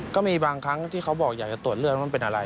ก็มีบางครั้งที่เขาบอกอยากจะตรวจเลือดว่ามันเป็นอะไร